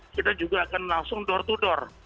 kita juga akan langsung door to door